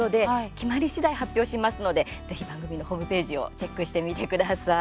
決まり次第発表しますのでぜひ番組のホームページをチェックしてみてください。